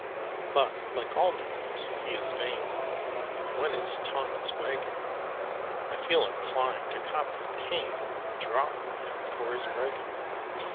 But, like all noodles, he is vain; And when his tongue is wagging, I feel inclined to copy Cain, And "drop" him for his bragging.